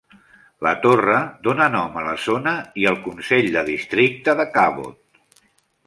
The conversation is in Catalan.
La torre dona nom a la zona i al Consell de districte de Cabot.